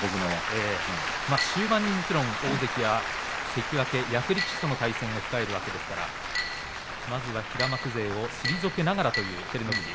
終盤にもちろん大関や関脇役力士との対戦を控えるわけですがまずは平幕勢を退けながらという照ノ富士。